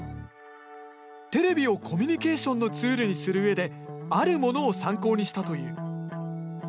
テレビをコミュニケーションのツールにする上であるものを参考にしたという。